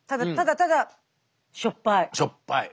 いやしょっぱい。